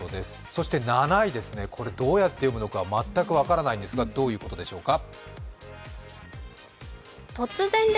そして７位ですね、これどうやって読むのか全く分からないんですがどういうことでしょうか。